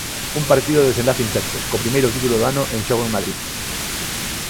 Un partido de desenlace incerto, co primeiro título do ano en xogo en Madrid.